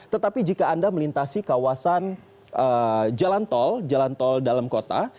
tetapi jika anda melintasi kawasan jalan tol dalam kota